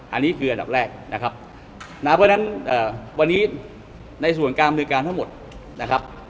อันนี้คืออันดับแรกนะครับนะเพราะฉะนั้นวันนี้ในส่วนการอำนวยการทั้งหมดนะครับ